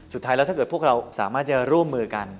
สุดท้ายแล้วถ้าเกิดพวกเราสามารถจะร่วมมือกัน